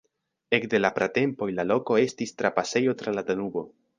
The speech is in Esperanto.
Ekde la pratempoj la loko estis trapasejo tra la Danubo.